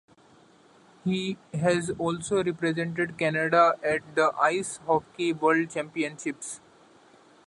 He has also represented Canada at the Ice Hockey World Championships.